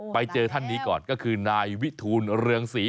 ไปเจอท่านนี้ก่อนก็คือนายวิทูลเรืองศรี